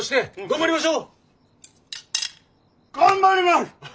頑張ります！